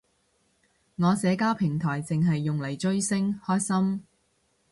我社交平台剩係用嚟追星，開心